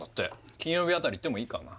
金曜日あたり行ってもいいかな？